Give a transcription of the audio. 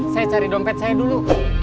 saya cari dompet saya dulu